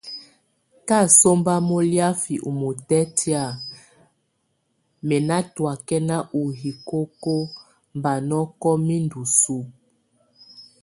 Kasómba moliaf o motɛ́tia, mɛ nátoakɛn o hikoko bá nɔkɔk mɛ ndosubue.